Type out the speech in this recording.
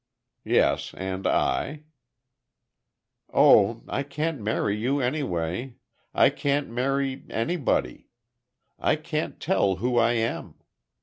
"Yes—and I—" "Oh, I can't marry you, anyway. I can't marry anybody. I can't tell who I am!